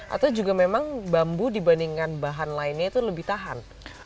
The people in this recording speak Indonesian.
atau juga memang bambu dibandingkan bahan lainnya itu lebih tahan